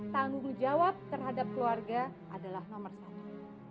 tanggung jawab terhadap keluarga adalah nomor satu